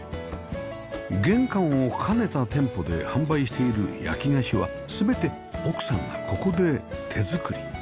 玄関を兼ねた店舗で販売している焼き菓子は全て奥さんがここで手作り